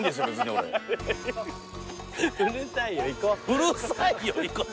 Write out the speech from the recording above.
うるさいよ行こう。